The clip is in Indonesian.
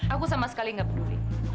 aku sama sekali nggak peduli